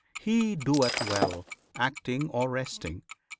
He doeth well, acting or resting.